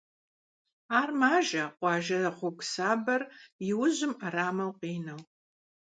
Ар мажэ къуажэ гьуэгу сабэр и ужьым ӏэрамэу къинэу.